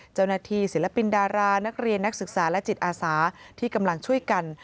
ศิลปินดารานักเรียนนักศึกษาและจิตอาสาที่กำลังช่วยกัน